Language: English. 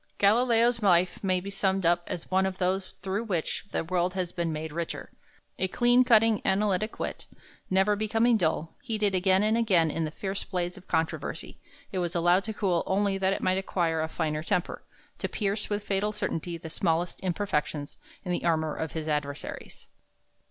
Galileo's life may be summed up as one of those through which the world has been made richer. A clean cutting analytic wit, never becoming dull: heated again and again in the fierce blaze of controversy, it was allowed to cool only that it might acquire a finer temper, to pierce with fatal certainty the smallest imperfections in the armor of his adversaries.